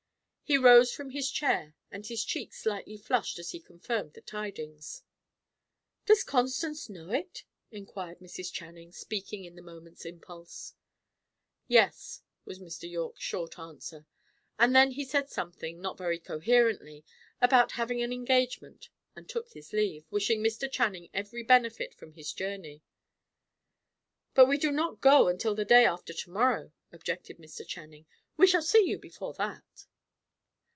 He rose from his chair, and his cheek slightly flushed as he confirmed the tidings. "Does Constance know it?" inquired Mrs. Channing, speaking in the moment's impulse. "Yes," was Mr. Yorke's short answer. And then he said something, not very coherently, about having an engagement, and took his leave, wishing Mr. Channing every benefit from his journey. "But, we do not go until the day after to morrow," objected Mr. Channing. "We shall see you before that."